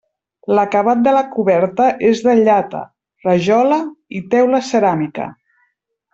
L'acabat de la coberta és de llata, rajola i teula ceràmica.